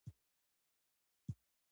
جهیل لوی دی